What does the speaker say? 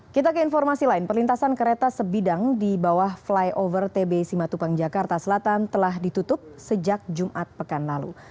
kita ke informasi lain perlintasan kereta sebidang di bawah flyover tb simatupang jakarta selatan telah ditutup sejak jumat pekan lalu